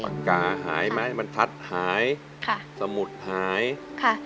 ปากกาหายไหมมันพัดหายค่ะสมุดหายค่ะ